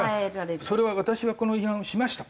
それは「私はこの違反をしました」。